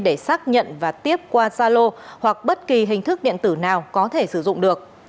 để xác nhận và tiếp qua zalo hoặc bất kỳ hình thức điện tử nào có thể sử dụng được